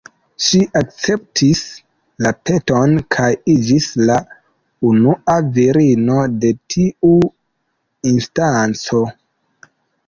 Ŝi akceptis la peton kaj iĝis la unua virino de tiu instanco.